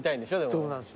そうなんですよ。